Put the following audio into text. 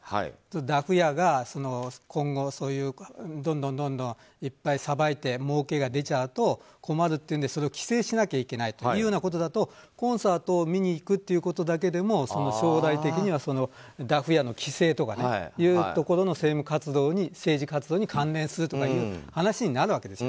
ダフ屋が今後、どんどんいっぱいさばいてもうけが出ちゃうと困るっていうんでそれを規制しなきゃいけないというようなことだとコンサートを見に行くということだけでも将来的にはダフ屋の規制とかというところの政治活動に関連するという話になるわけです。